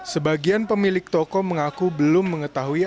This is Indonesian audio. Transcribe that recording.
sebagian pemilik toko mengaku belum mengetahui